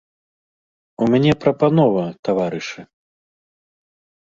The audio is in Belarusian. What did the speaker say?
У мяне, прапанова, таварышы!